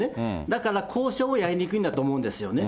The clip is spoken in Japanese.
だから交渉をやりにくいんだと思うんですよね。